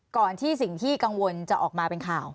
ก่อนที่สิ่งที่กังวลจะออกมาเป็นข่าว